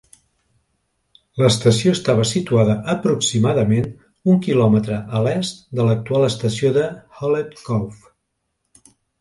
L'estació estava situada aproximadament un quilòmetre a l'est de l'actual estació de Hallett Cove.